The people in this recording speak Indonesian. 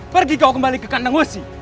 pergi kau kembali ke kandang ngosi